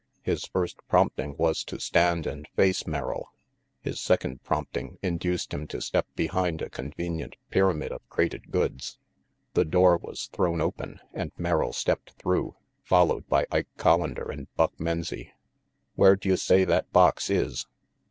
His first prompting \;as to stand and face Merrill. His second prompting induced him to step behind a convenient pyramid of crated goods. The door was thrown open and Merrill stepped through, followed by Ike (Hollander and Buck Menzie. "Where d'you say that box is?"